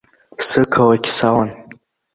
Сықалақь салан.